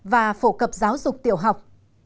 và phổ cập giáo dục tiểu học